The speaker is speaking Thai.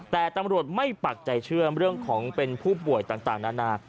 แต่ตำรวจไม่ปักใจเชื่อเรื่องของเป็นผู้ป่วยต่างนานา